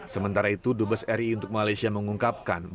sementara itu dubes ri untuk malaysia mengungkapkan